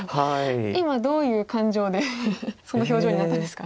今どういう感情でその表情になったんですか？